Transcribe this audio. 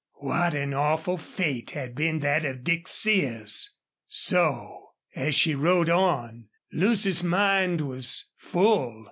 What an awful fate had been that of Dick Sears! So as she rode on Lucy's mind was full.